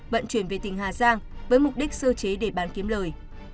vận chuyển về tỉnh hà giang với mục đích sơ chế để bán kiếm lời